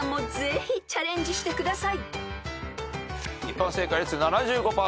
一般正解率７５％。